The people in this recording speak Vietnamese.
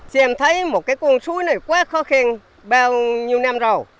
chị em thấy một cái con suối này quá khó khăn bao nhiêu năm rồi